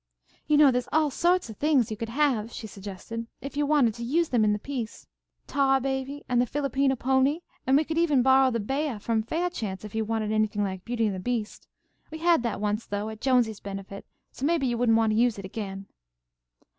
"You know there's all sort of things you could have," she suggested, "if you wanted to use them in the piece. Tarbaby and the Filipino pony, and we could even borrow the beah from Fairchance if you wanted anything like Beauty and the Beast. We had that once though, at Jonesy's benefit, so maybe you wouldn't want to use it again."